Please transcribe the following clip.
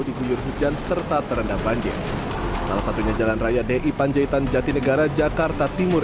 diguyur hujan serta terendam banjir salah satunya jalan raya di panjaitan jatinegara jakarta timur